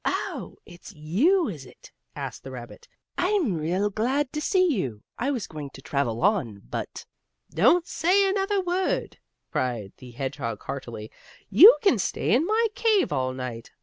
"Oh, it's you, is it?" asked the rabbit. "I'm real glad to see you. I was going to travel on, but " "Don't say another word!" cried the hedgehog heartily. "You can stay in my cave all night.